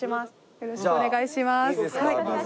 よろしくお願いします。